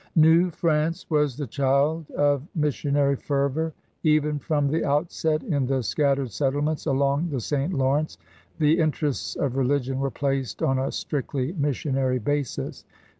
New France was the child of missionary fervor. Even from the outset, in the scattered settlements along the St. Lawrence, the interests of religion were placed on a strictly missionary basis.